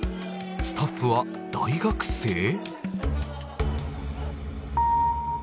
スタッフは大学生。